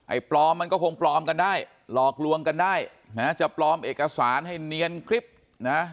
ปลอมมันก็คงปลอมกันได้หลอกลวงกันได้นะจะปลอมเอกสารให้เนียนคลิปนะ